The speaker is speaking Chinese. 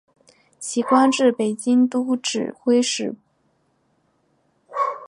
其官至北京都指挥使。